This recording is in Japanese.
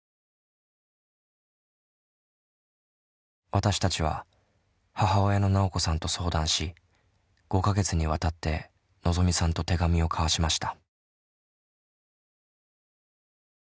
私たちは母親のなおこさんと相談し５か月にわたってのぞみさんと手紙を交わしました。